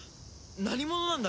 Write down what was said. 何者なんだ？